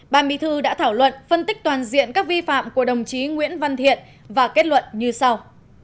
ban bí thư đã thảo luận phân tích toàn diện các vi phạm của đồng chí nguyễn văn thiện và kết luận như sau